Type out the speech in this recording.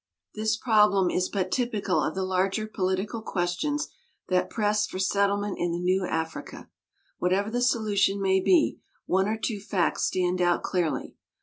This prob lem is but typical of the larger political questions that press for settlement in the new Africa. Whatever the solution may be, one or two facts stand out clearly.